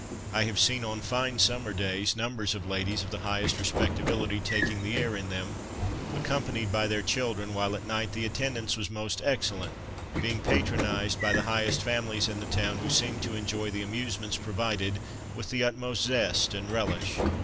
I have seen on fine summer days, numbers of ladies of the highest respectability taking the air in them, accompanied by their children, while at night the attendance was most excellent, being patronized by the highest families in the town who seemed to enjoy the amusements provided with the utmost zest and relish.